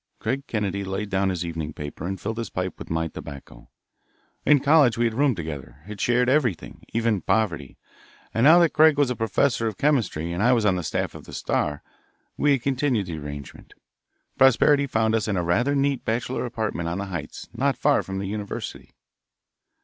Craig Kennedy laid down his evening paper and filled his pipe with my tobacco. In college we had roomed together, had shared everything, even poverty, and now that Craig was a professor of chemistry and I was on the staff of the Star, we had continued the arrangement. Prosperity found us in a rather neat bachelor apartment on the Heights, not far from the University.